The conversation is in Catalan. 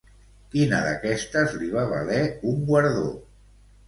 Quina d'aquestes li va valer un guardó?